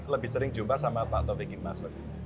lebih sering jumpa sama pak taufik imas